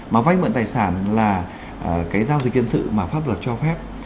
và vai mượn tài sản là cái giao dịch kiên sự mà pháp luật cho phép